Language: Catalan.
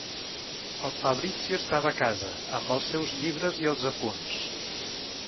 El Fabrizio estava a casa, amb els seus llibres i els apunts.